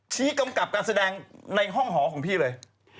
กำกับการแสดงในห้องหอของพี่เลย